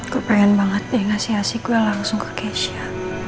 gue pengen banget deh ngasih ngasih gue langsung ke keisha